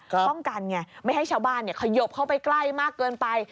ป้องกันไงไม่ให้ชาวบ้านขยบเข้าไปใกล้มากเกินไป